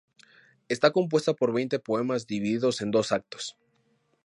Está compuesta por veinte poemas, divididos en dos actos.